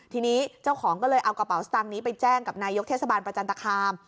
ทีนี้เจ้าของก็เลยเอากระเป๋าสตางค์นี้ไปแจ้งกับนายกเทศบาลประจันตคาม